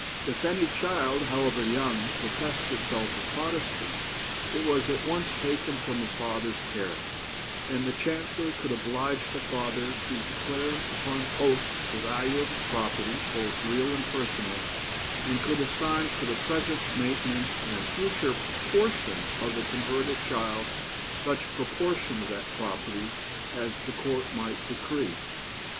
If any child, however young, professed itself a Protestant, it was at once taken from the father's care, and the Chancellor could oblige the father to declare upon oath the value of his property, both real and personal, and could assign for the present maintenance and future portion of the converted child such proportion of that property as the court might decree.